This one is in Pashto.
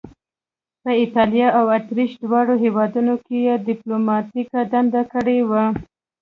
په ایټالیا او اتریش دواړو هیوادونو کې یې دیپلوماتیکې دندې کړې وې.